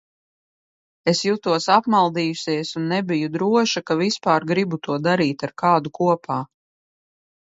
Es jutos apmaldījusies un nebiju droša, ka vispār gribu to darīt ar kādu kopā.